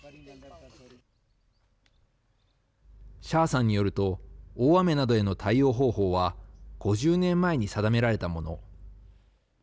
シャーさんによると大雨などへの対応方法は５０年前に定められたもの。